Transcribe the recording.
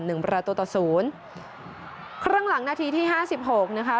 หนึ่งประตูต่อศูนย์ครึ่งหลังนาทีที่ห้าสิบหกนะคะ